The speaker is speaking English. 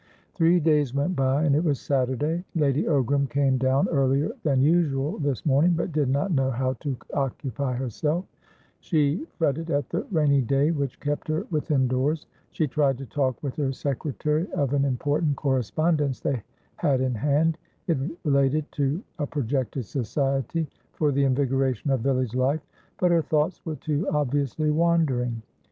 Three days went by, and it was Saturday. Lady Ogram came down earlier than usual this morning, but did not know how to occupy herself; she fretted at the rainy sky which kept her within doors; she tried to talk with her secretary of an important correspondence they had in hand (it related to a projected society for the invigoration of village life), but her thoughts were too obviously wandering.